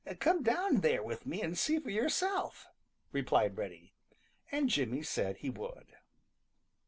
"Come down there with me and see for yourself," replied Reddy. And Jimmy said he would.